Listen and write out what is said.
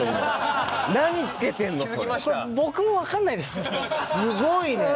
すごいね。